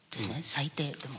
最低でも。